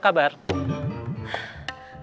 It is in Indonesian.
gak ada apa apa